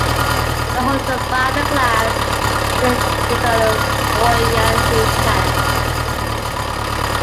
The hull is fiberglass with internal buoyancy tanks.